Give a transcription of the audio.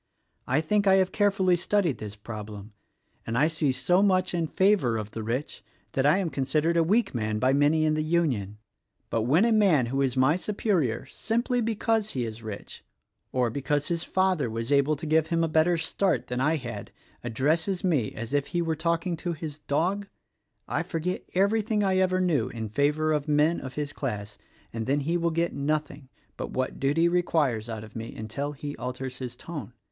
I think I have carefully studied this prob lem, and I see so much in favor of the rich that I am con sidered a weak man by many in the Union; — but when a man who is my superior simply because he is rich, or because his father was able to give him a better start than I had, addresses me as if he were talking to his dog, I forget everything I ever knew in favor of men of his class and then he will get nothing but what duty requires out of me until he alters his tone.